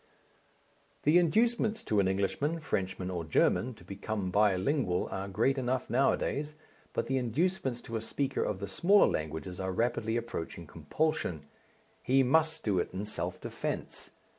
The inducements to an Englishman, Frenchman or German to become bi lingual are great enough nowadays, but the inducements to a speaker of the smaller languages are rapidly approaching compulsion. He must do it in self defence.